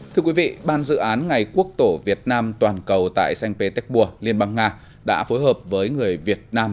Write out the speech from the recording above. thưa quý vị ban dự án ngày quốc tổ việt nam toàn cầu tại sanh pê tết bùa liên bang nga đã phối hợp với người việt nam